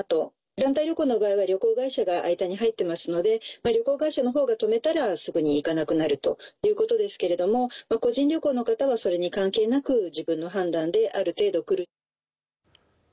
団体旅行の場合は旅行会社が間に入ってますので旅行会社の方が止めたらすぐに行かなくなるということですけども個人旅行の方は、それに関係なく自分の判断で、ある程度来る。